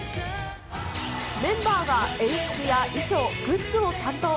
メンバーが演出や衣装、グッズを担当。